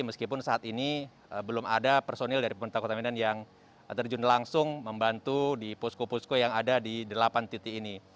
meskipun saat ini belum ada personil dari pemerintah kota medan yang terjun langsung membantu di posko posko yang ada di delapan titik ini